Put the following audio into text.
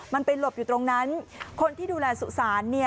มันไปหลบอยู่ตรงนั้นคนที่ดูแลสุสาน